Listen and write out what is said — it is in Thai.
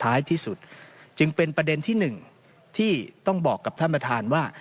ท้ายที่สุดจึงเป็นประเด็นที่หนึ่งที่ต้องบอกกับท่านประธานว่า